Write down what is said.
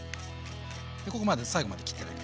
ここまで最後まで切ってない。